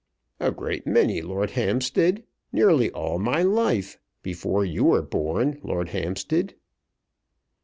"A great many, Lord Hampstead; nearly all my life; before you were born, Lord Hampstead."